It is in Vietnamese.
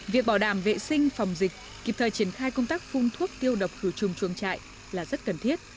việc bảo đảm vệ sinh phòng dịch kịp thời triển khai công tác phun thuốc tiêu độc khử trùng chuồng trại là rất cần thiết